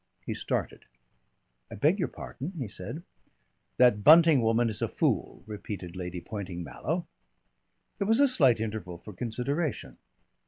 He started. "I beg your pardon," he said. "That Bunting woman is a fool," repeated Lady Poynting Mallow. There was a slight interval for consideration.